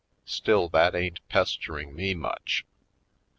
Still, that ain't pestering me much.